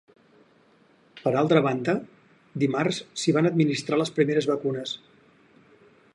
Per altra banda, dimarts s’hi van administrar les primeres vacunes.